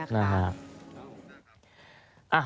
นะฮะ